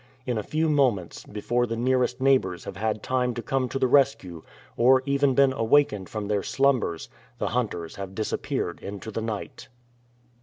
In a few moments, before the nearest neighbours have had time to come to the rescue, or even been awakened from their slumbers, the hunters have disappeared into the night.